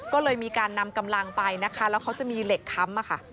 ก็เลยมีการนำกำลังไปนะคะแล้วเขาจะมีเหล็กค้ำอะค่ะ